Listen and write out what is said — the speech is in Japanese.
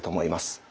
はい。